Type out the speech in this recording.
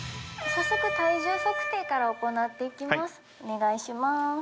早速体重測定から行っていきます。